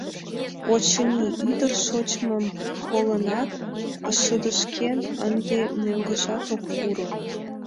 Очыни, ӱдыр шочмым колынат, шыдешкен, ынде мӧҥгыжат ок пуро.